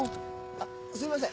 あっすいません。